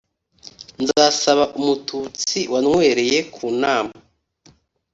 Nzasaba Umututsi wanywereye ku nama,